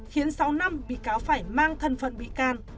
khiến sáu năm bị cáo phải mang thân phận bị can